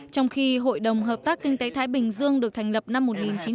trong khi hội đồng hợp tác kinh tế thái bình dương được thành lập năm một nghìn chín trăm tám mươi hai